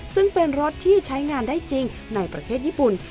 ซึ่งเป็นรถที่ใช้งานได้จริงในประเทศญี่ปุ่น